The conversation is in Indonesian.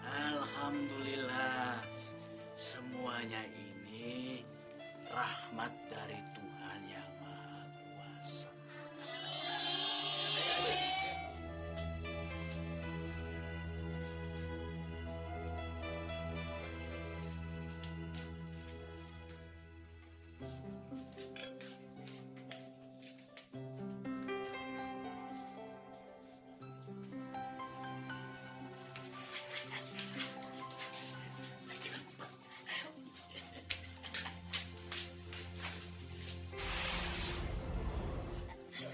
alhamdulillah semuanya ini rahmat dari tuhan yang maha kuasa